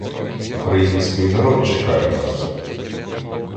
Український народ чекає нас.